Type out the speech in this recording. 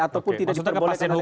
ataupun tidak diperbolehkan